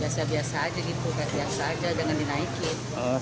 biasa biasa aja gitu biasa aja jangan dinaikin